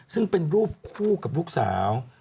ซึ่งเป็นรูปคู่กับลูกสาว